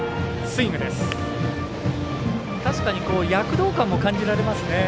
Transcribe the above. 確かに躍動感も感じられますね。